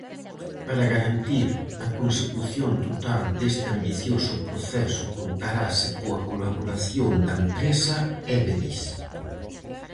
Para garantir a consecución total deste ambicioso proceso contarase coa colaboración da empresa Everis.